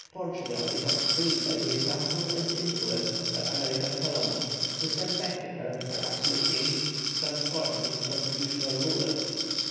Portugal becomes free by the example and influence of her American colonies, who send back to her her absolute kings, transformed into constitutional rulers.